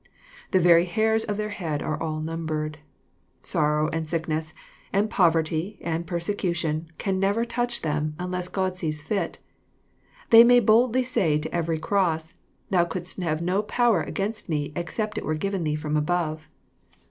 The very hairs of their heads are all^smnbered. Sorrow and sick*\ ness, and poverty, and persecution, can never touch them, \ unless God sees fit. They may boldly say to every cross, —" Thou couldst have no power against me, except it were given thee from above."